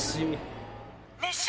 熱唱！